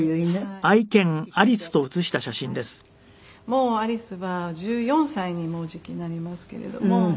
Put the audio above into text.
もうアリスは１４歳にもうじきなりますけれども。